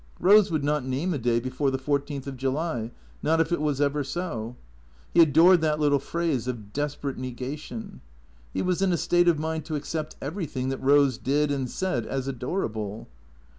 Eose would not name a day before the fourteenth of July, not if it was ever so. He adored that little phrase of desperate nega tion. He was in a state of mind to accept everything that Eose did and said as adorable.